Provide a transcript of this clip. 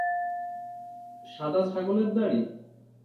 সাদা ছাগলের দাড়ি?